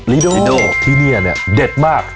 ลีโด่ที่นี่อันนี้เด็ดมาก